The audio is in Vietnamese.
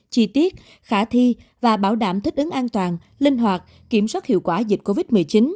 chi tiết khả thi và bảo đảm thích ứng an toàn linh hoạt kiểm soát hiệu quả dịch covid một mươi chín